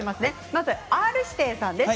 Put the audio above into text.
まずＲ−指定さんです。